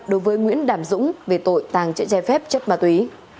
đối với nguyễn đàm dũng về tội tàng trữ trái phép chất ma túy